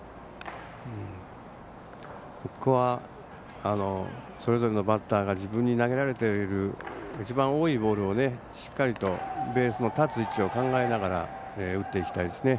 ここはそれぞれのバッターが自分に投げられている一番多いボールをしっかりとベース立つ位置を考えながら打っていきたいですね。